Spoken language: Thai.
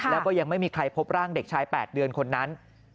แล้วก็ยังไม่มีใครพบร่างเด็กชาย๘เดือนคนนั้น